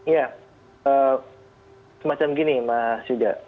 ya semacam gini mas yuda